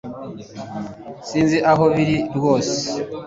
sinzi aho biri ryose